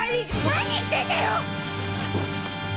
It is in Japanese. なに言ってんだよ！